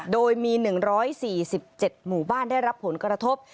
โดยมี๑๔๗หมู่บ้านได้รับผลกระทบ